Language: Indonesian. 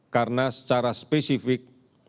karena secara spesifik